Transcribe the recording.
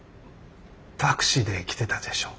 タクシーで来てたでしょ？